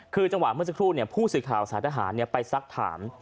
คือจังหวะเมื่อสักครู่ผู้สื่อข่าวสายทหารไปซักถาม